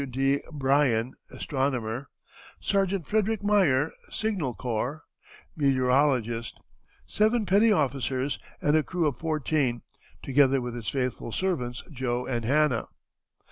W. D. Bryan, astronomer; Sergeant Frederick Meyer, Signal Corps, meteorologist; seven petty officers, and a crew of fourteen, together with his faithful servants, Joe and Hannah.